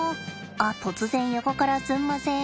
あっ突然横からすんません。